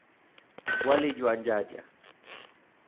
Kuali yoanyayaj.